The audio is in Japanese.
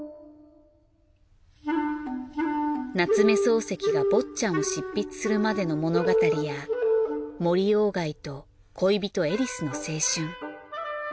夏目漱石が『坊ちゃん』を執筆するまでの物語や森鴎外と恋人エリスの青春。